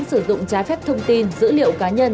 sử dụng trái phép thông tin dữ liệu cá nhân